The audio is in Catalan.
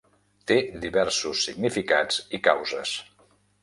Té diversos significats i causes.